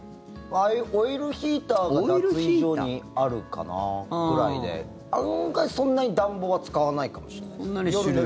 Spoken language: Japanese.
オイルヒーターが脱衣所にあるかなぐらいで案外、そんなに暖房は使わないかもしれないです。